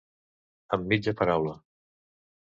Amb mitja paraula.